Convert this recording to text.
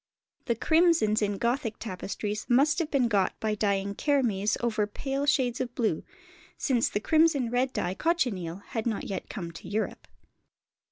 The crimsons in Gothic tapestries must have been got by dyeing kermes over pale shades of blue, since the crimson red dye, cochineal, had not yet come to Europe.